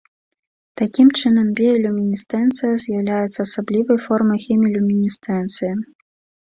Такім чынам, біялюмінесцэнцыя з'яўляецца асаблівай формай хемілюмінесцэнцыі.